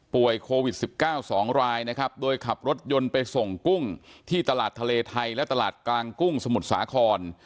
โควิด๑๙๒รายนะครับโดยขับรถยนต์ไปส่งกุ้งที่ตลาดทะเลไทยและตลาดกลางกุ้งสมุทรสาคร